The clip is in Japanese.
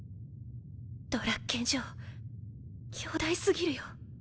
ドラッケン・ジョー強大過ぎるよ。